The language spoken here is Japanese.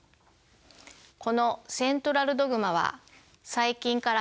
このセントラルドグマは細菌からヒトまで